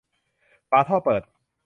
ฝาท่อเปิด